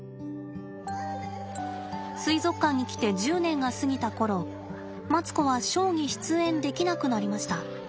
水族館に来て１０年が過ぎた頃マツコはショーに出演できなくなりました。